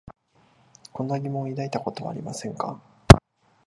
こんな疑問を抱いたことはありませんか？